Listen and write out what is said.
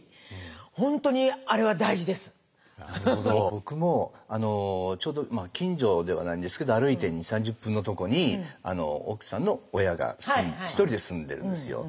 僕も近所ではないんですけど歩いて２０３０分のとこに奥さんの親が一人で住んでるんですよ。